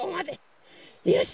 よし！